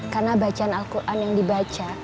karena bacaan al quran yang dibaca